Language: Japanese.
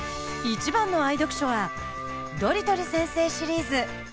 一番の愛読書は「ドリトル先生シリーズ」。